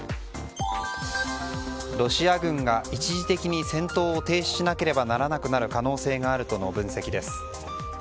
ロシア軍が一時的に戦闘を停止しなければならなくなる可能性があるとの分析です。